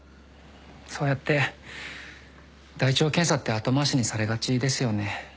そうやって大腸検査って後回しにされがちですよね。